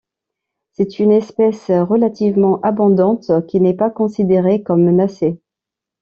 C'est une espèce relativement abondante, qui n'est pas considérée comme menacée.